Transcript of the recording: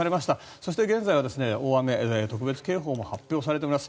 そして現在は大雨特別警報も発表されております。